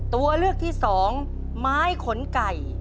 ตัวเลือกที่สองไม้ขนไก่